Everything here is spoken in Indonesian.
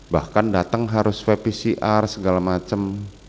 bahkan datang harus vpcr segala macam